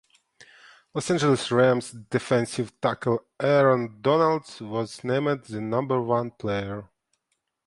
Los Angeles Rams defensive tackle Aaron Donald was named the number one player.